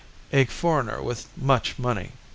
A foreigner with much money.